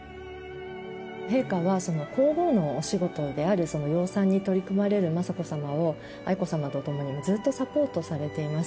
陛下は皇后のお仕事である養蚕に取り組まれる雅子さまを愛子さまと共にずっとサポートされています。